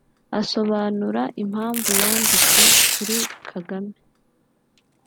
Asobanura impamvu yanditse kuri Kagame